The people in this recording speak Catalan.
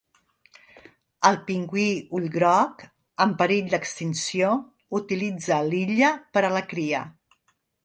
El pingüí ullgroc, en perill d'extinció, utilitza l'illa per a la cria.